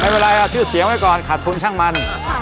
ไม่เป็นไรเอาชื่อเสียงไว้ก่อนขาดทุนช่างมัน